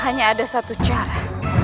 hanya ada satu cara